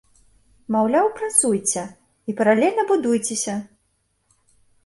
Маўляў, працуйце, і паралельна будуйцеся!